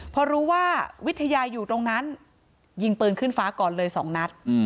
พอรู้ว่าวิทยาอยู่ตรงนั้นยิงปืนขึ้นฟ้าก่อนเลย๒นัด